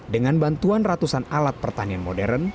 dengan bantuan ratusan alat pertanian modern